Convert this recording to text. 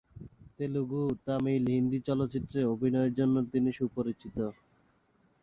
তেলুগু, তামিল, হিন্দী চলচ্চিত্রে অভিনয়ের জন্য তিনি সুপরিচিত।